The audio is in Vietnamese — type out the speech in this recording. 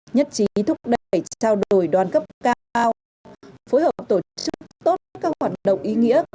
nhất trí thúc đẩy trao đổi đoàn cấp cao phối hợp tổ chức tốt các hoạt động ý nghĩa